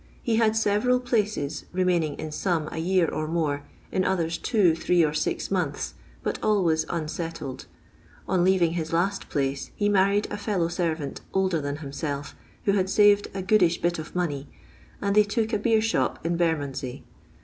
He had several places, remaining in some a year or more, in others two, three, or six months, but always unsettled. On leaving his last place he married a fellow servant, older than hims«'lf, who had saved " a goodish bit of money," and they took a bee^ shop in Bermondsey.